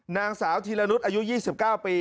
นางสาวทีละนุดอายุ๒๙ปี